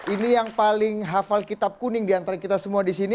ini yang paling hafal kitab kuning diantara kita semua di sini